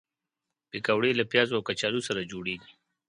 پکورې له پیازو او کچالو سره جوړېږي